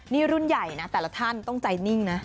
นี่รุ่นใหญ่นะแต่ละท่านต้องใจนิ่งนะ